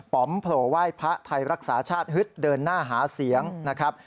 อมโผล่ไหว้พระไทยรักษาชาติฮึดเดินหน้าหาเสียงนะครับ